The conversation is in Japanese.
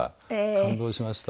感動しました。